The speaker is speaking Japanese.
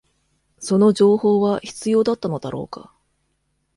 その情報は必要だったのだろうか